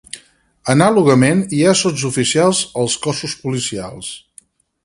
Anàlogament hi ha sotsoficials als cossos policials.